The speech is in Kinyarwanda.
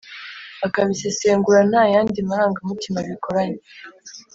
akabisesengura nta yandi marangamutima abikoranye.